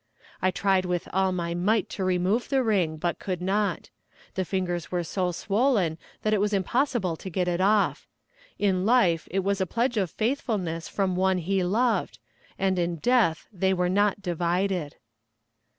I tried with all my might to remove the ring, but could not. The fingers were so swollen that it was impossible to get it off. In life it was a pledge of faithfulness from one he loved, "and in death they were not divided."